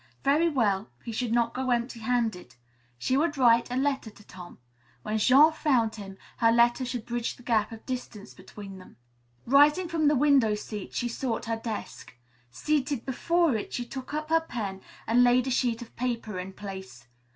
Very well, he should not go empty handed. She would write a letter to Tom. When Jean found him, her letter should bridge the gap of distance between them. Rising from the window seat she sought her desk. Seated before it, she took up her pen and laid a sheet of paper in place.